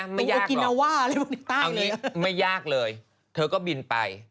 เอาอย่างนี้นะไม่ยากเลยเธอก็บินไป